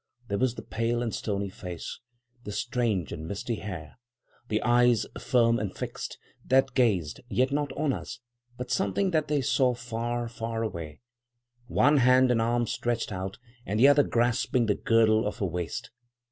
There was the pale and stony face, the strange and misty hair, the eyes firm and fixed, that gazed, yet not on us, but something that they saw far, far away; one hand and arm stretched out, and the other grasping the girdle of her waist.